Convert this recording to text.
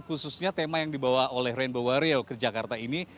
khususnya tema yang dibawa oleh rainbow warriau ke jakarta ini